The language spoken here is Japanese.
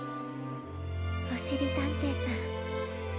おしりたんていさん。